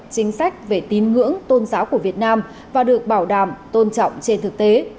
chính sách về tín ngưỡng tôn giáo của việt nam và được bảo đảm tôn trọng trên thực tế